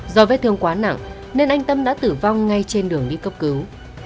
do vết thương quá nặng nên anh tâm đã tử vong ngay trên đường đi cấp cứu